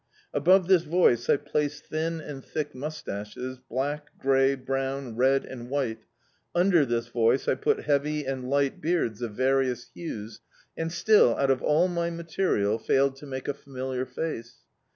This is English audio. Above this voice I placed thin and thick moustaches, black, grey, brown, red, and white; under this voice I put heavy and light beards of various hues, and D,i.,.db, Google A Voice in the Dark still, out of all my material, failed to make a familiar face.